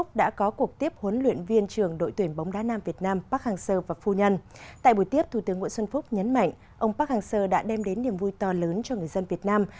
tại buổi tiếp thủ tướng nguyễn xuân phúc nhấn mạnh ông park hang seo đã đem đến niềm vui to lớn cho người dân việt nam